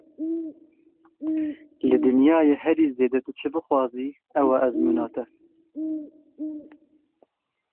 Li dinyayê herî zêde tu çi bixwazî, ew e ezmûna te.